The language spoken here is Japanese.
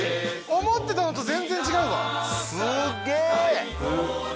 思ってたのと全然違うわすげえ！